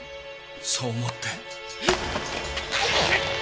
そう思って。